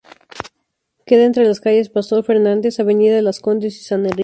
Queda entre las calles Pastor Fernández, Avenida Las Condes y San Enrique.